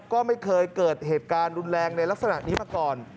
ก็ไม่เคยเกิดเหตุการณ์รุนแรงในลักษณะนี้มาก่อน